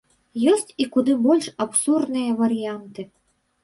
Ёсць і куды больш абсурдныя варыянты.